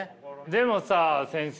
でもさ先生。